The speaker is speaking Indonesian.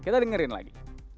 kita dengerin lagi